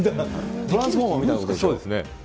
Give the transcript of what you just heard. トランスフォーマーみたいなことでしょ。